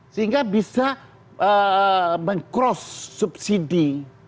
sehingga bisa meng cross subsidi